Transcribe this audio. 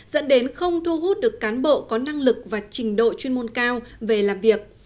dẫn đến không thu hút được cán bộ có năng lực và trình độ chuyên môn cao về làm việc